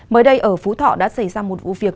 mới đây ở phú thọ đã xảy ra một vụ việc